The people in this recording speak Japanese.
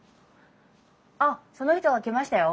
あっその人が来ましたよ。